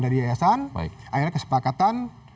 dari yayasan akhirnya kesepakatan